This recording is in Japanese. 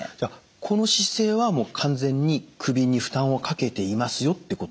この姿勢は完全に首に負担をかけていますよってことなんですか？